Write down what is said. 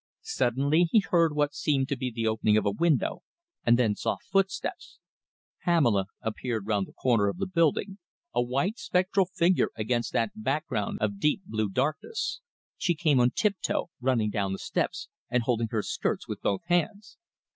Suddenly he heard what seemed to be the opening of a window, and then soft footsteps. Pamela appeared round the corner of the building, a white, spectral figure against that background of deep blue darkness. She came on tiptoe, running down the steps and holding her skirts with both hands.